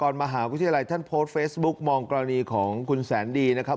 มหาวิทยาลัยท่านโพสต์เฟซบุ๊กมองกรณีของคุณแสนดีนะครับ